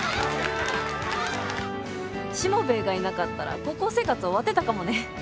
しもべえがいなかったら高校生活終わってたかもね。